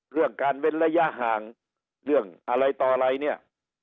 เรื่องการเว้นระยะห่างเรื่องอะไรต่ออะไรเนี่ย